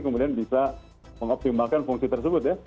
kemudian bisa mengoptimalkan fungsi tersebut ya